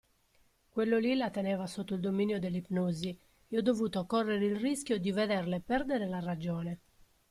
Quello lì la teneva sotto il dominio dell'ipnosi e ho dovuto correre il rischio di vederle perdere la ragione.